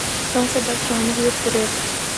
São Sebastião do Rio Preto